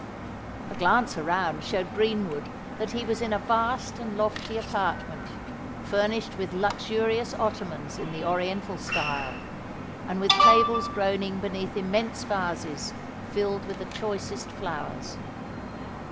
A glance around showed Greenwood that he was in a vast and lofty apartment, furnished with luxurious ottomans in the oriental style; and with tables groaning beneath immense vases filled with the choicest flowers.